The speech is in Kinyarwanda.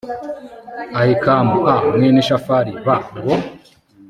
ahikamu a mwene shafani b ngo